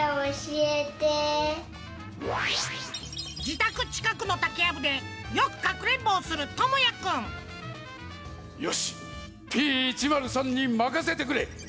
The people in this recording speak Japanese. じたくちかくのたけやぶでよくかくれんぼをするともやくんよしＰ１０３にまかせてくれ。